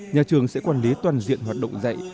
nhà trường sẽ quản lý toàn diện hoạt động dạy